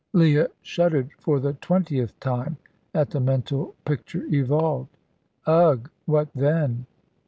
Leah shuddered for the twentieth time at the mental picture evoked. "Ugh! What then?"